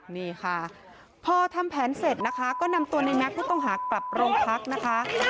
นี่ค่ะพอทำแผนเสร็จนะคะก็นำตัวในแก๊กผู้ต้องหากลับโรงพักนะคะ